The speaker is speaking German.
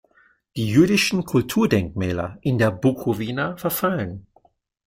Die jüdischen Kulturdenkmäler in der Bukowina verfallen.